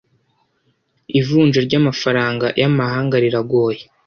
ivunja ry amafaranga y amahanga riragoye